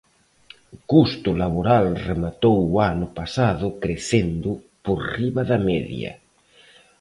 O custo laboral rematou o ano pasado crecendo por riba da media.